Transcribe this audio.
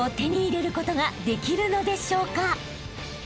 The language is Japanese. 手に入れることができるのでしょうか？］